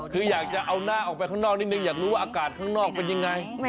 คืออยากจะเอาหน้าออกไปข้างนอกนิดนึงอยากรู้ว่าอากาศข้างนอกเป็นยังไง